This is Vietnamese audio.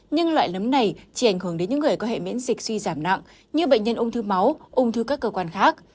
nhưng loại nấm này chỉ ảnh hưởng đến những người có hệ miễn dịch suy giảm nặng như bệnh nhân ung thư máu ung thư các cơ quan khác